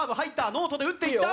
ノートで打っていった。